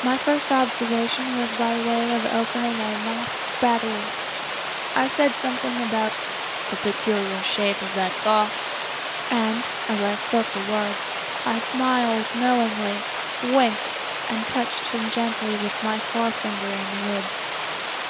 My first observation was by way of opening a masked battery. I said something about the "peculiar shape of that box"; and, as I spoke the words, I smiled knowingly, winked, and touched him gently with my forefinger in the ribs.